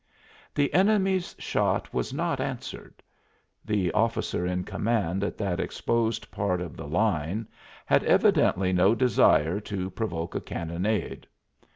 The enemy's shot was not answered: the officer in command at that exposed part of the line had evidently no desire to provoke a cannonade.